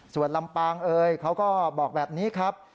ส่วนลำปางเอ่ยเขาก็บอกแบบนี้ครับ